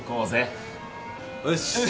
よし！